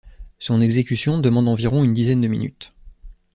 Son exécution demande environ une dizaine de minutes.